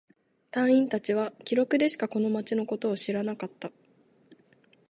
隊員達は記録でしかこの町のことを知らなかった。